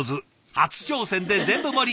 初挑戦で全部盛り！